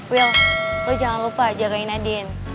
wil lu jangan lupa jagain nadin